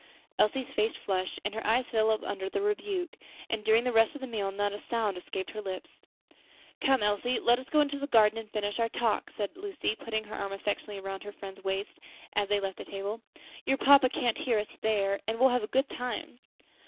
Elsie's face flushed, and her eyes fell, under the rebuke; and during the rest of the meal not a sound escaped her lips. "Come, Elsie, let us go into the garden and finish our talk," said Lucy, putting her arm affectionately around her friend's waist as they left the table; "your papa can't hear us there, and we'll have a good time."